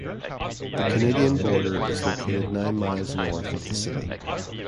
The Canadian border is located nine miles north of the city.